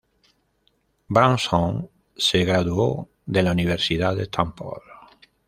Brunson se graduó de la Universidad de Temple.